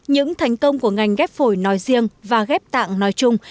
những thành công của ngành ghép phổi nói riêng và ghép tạng nói chung